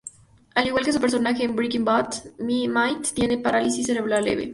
Al igual que su personaje en "Breaking Bad", Mitte tiene parálisis cerebral leve.